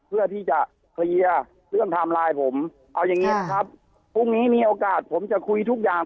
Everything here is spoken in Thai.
เพื่อที่จะเคลียร์เรื่องไทม์ไลน์ผมเอาอย่างนี้นะครับพรุ่งนี้มีโอกาสผมจะคุยทุกอย่าง